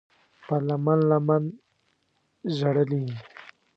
په لمن، لمن ژړلي